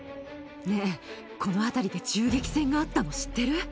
ねえ、この辺りで銃撃戦あったの知ってる？